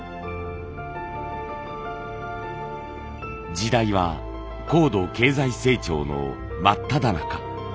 時代は高度経済成長の真っただ中。